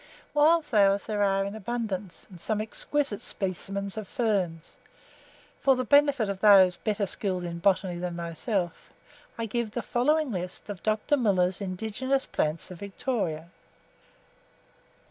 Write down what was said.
Wild flowers there are in abundance, and some exquisite specimens of ferns. For the benefit of those better skilled in botany than myself, I give the following list of Dr. Muller's indigenous plants of Victoria.